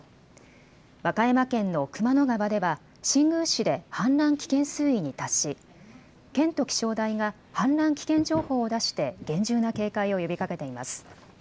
和歌山県の熊野川では新宮市で氾濫危険水位に達し県と気象台が氾濫危険情報を出して厳重な警戒を呼びかけています。